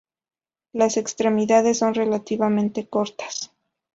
Las extremidades son relativamente cortas.